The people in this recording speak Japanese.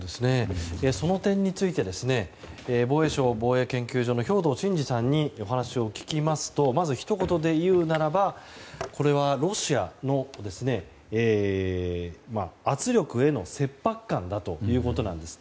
その点について防衛省防衛研究所の兵頭慎治さんにお話を聞きますとまずひと言で言うならばこれはロシアの圧力への切迫感だということなんです。